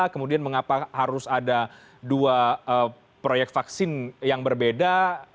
kemudian mengapa harus ada dua proyek vaksin yang berbeda